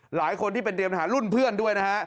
หลายคนที่เป็นเตรียมหารุ่นเพื่อนด้วยนะฮะ